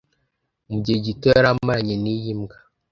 Mu gihe gito yari amaranye n’iyi mbwa